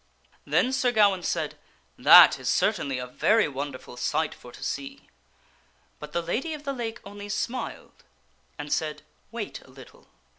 Then Sir Gawaine said, " That is certainly a very wonderful sight for to see." But the Lady of the Lake only smiled and said, " Wait a little."